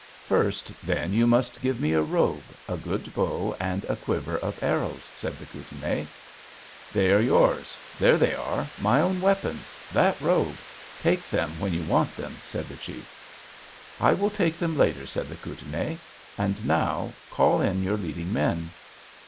"'First, then, you must give me a robe, a good bow, and a quiver of arrows,' said the Kootenai. "'They are yours; there they are: my own weapons, that robe. Take them when you want them,' said the chief. "'I will take them later,' said the Kootenai. 'And now, call in your leading men.'